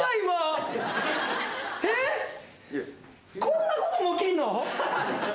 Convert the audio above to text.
こんなことも起きんの？